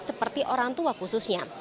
seperti orang tua khususnya